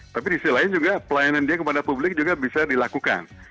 tapi di sisi lain juga pelayanan dia kepada publik juga bisa dilakukan